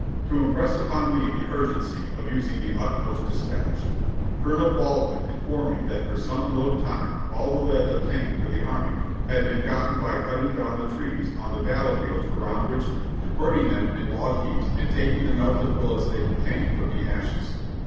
To im press upon me the urgency of using the utmost dispatch. Col. Bald win informed me that for some little time all the lead obtained for the army had been gotten by cutting down the trees on the battle fields around Richmond, burning them in log heaps and taking the melted bullets they contained from the ashes."